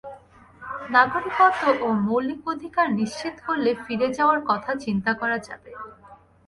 নাগরিকত্ব ও মৌলিক অধিকার নিশ্চিত করলে ফিরে যাওয়ার কথা চিন্তা করা যাবে।